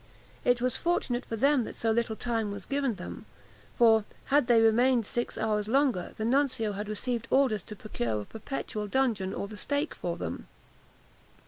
It was fortunate for them that so little time was given them; for, had they remained six hours longer, the nuncio had received orders to procure a perpetual dungeon or the stake for them.